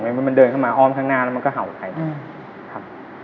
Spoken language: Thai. เหมือนมันเดินเข้ามาอ้อมข้างหน้าแล้วมันก็เห่าใคร